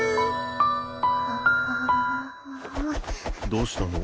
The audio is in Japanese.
どうしたの？